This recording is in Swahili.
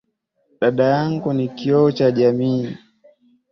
Dada yangu ni kioo cha jamii.